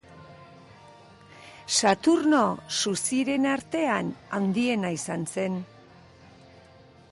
Saturno suzirien artean handiena izan zen.